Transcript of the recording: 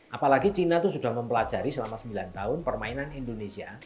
apalagi china itu sudah mempelajari selama sembilan tahun permainan indonesia